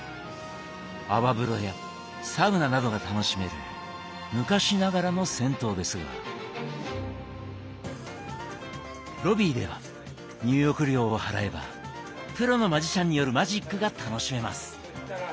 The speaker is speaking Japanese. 泡風呂やサウナなどが楽しめる昔ながらの銭湯ですがロビーでは入浴料を払えばプロのマジシャンによるマジックが楽しめます。